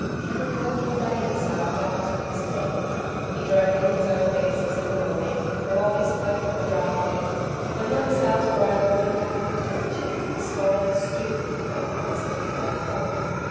Cameron worked all day in the sale yards with his men. He drove in his own beasts in the morning, threw off his coat for the drafting and, when the sales were over, went out of the township, a stolid, stooping figure, on his heavy bay cob.